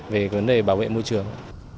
về vấn đề bảo vệ môi trường